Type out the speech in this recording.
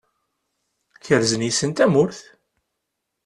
Kerzen yes-sen tamurt.